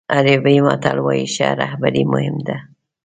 عربي متل وایي ښه رهبري مهم ده.